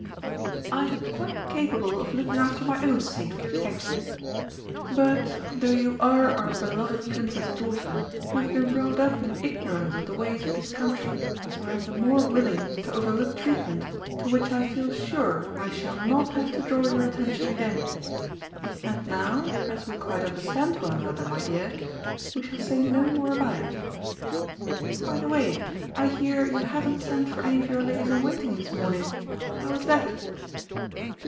"I am quite capable of looking after my own safety, thank you. But, though you are our beloved Prince's daughter, you have been brought up in ignorance of the ways of this country, so I am the more willing to overlook treatment to which I feel sure I shall not have to draw your attention again. And now, as we quite understand one another, my dear, we will say no more about it. By the way, I hear you haven't sent for any of your ladies in waiting this morning. How is that?"